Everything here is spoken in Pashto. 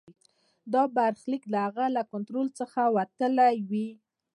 دا برخلیک د هغه له کنټرول څخه وتلی وي.